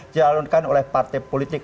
jalurkan oleh partai politik